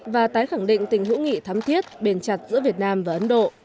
và tái khẳng định tình hữu nghị thắm thiết bền chặt giữa việt nam và ấn độ